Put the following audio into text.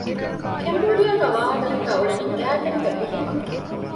ކެމްބޯޑިއާގައި ވާހަކަ ދައްކަ އުޅެނީ ގާތްގަނޑަކަށް ވިހި ބަހަކުން